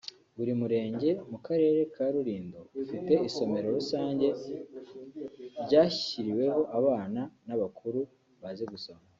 Buri Murenge mu Karere ka Rulindo ufite isomero rusange ryashyiriweho abana n’abakuru bazi gusoma